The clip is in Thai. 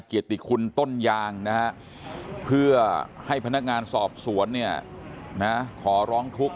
เกียรติคุณต้นยางนะฮะเพื่อให้พนักงานสอบสวนเนี่ยนะขอร้องทุกข์